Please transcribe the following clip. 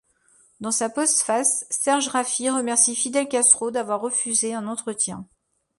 Dans sa postface, Serge Raffy remercie Fidel Castro d'avoir refusé un entretien.